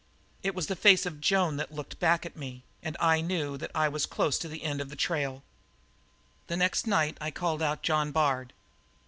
It was the face of Joan that looked back at me; and I knew that I was close to the end of the trail. "The next night I called out John Bard.